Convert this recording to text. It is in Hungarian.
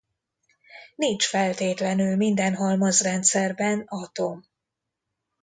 Nincs feltétlenül minden halmazrendszerben atom.